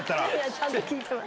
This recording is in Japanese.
ちゃんと聞いてます。